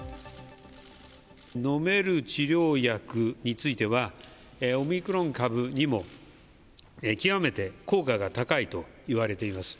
飲める治療薬については、オミクロン株にも極めて効果が高いといわれています。